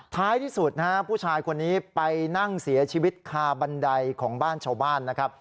ท้ายที่สุดนะฮะผู้ชายคนนี้ไปนั่งเสียชีวิตคาบันไดของบ้านชาวบ้านนะครับ